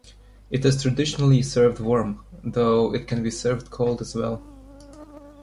It is traditionally served warm, though it can be served cold as well.